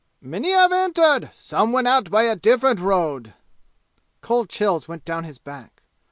"Many have entered! Some went out by a different road!" Cold chills went down his back.